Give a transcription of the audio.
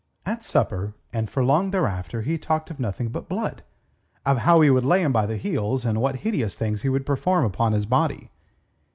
At supper, and for long thereafter he talked of nothing but Blood of how he would lay him by the heels, and what hideous things he would perform upon his body.